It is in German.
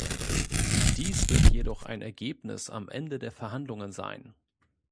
Dies wird jedoch ein Ergebnis am Ende der Verhandlungen sein.